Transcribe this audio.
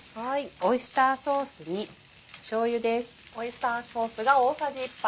オイスターソースにしょうゆです。